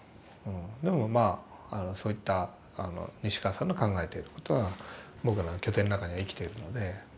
でもまあそういった西川さんの考えていることは僕らの拠点の中には生きているので。